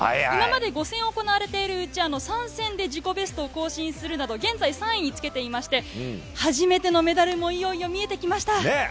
今まで５戦行われているうち３戦で自己ベストを更新するなど現在３位につけていまして初めてのメダルもいよいよ見えてきました。